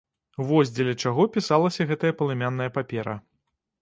Вось дзеля чаго пісалася гэтая палымяная папера.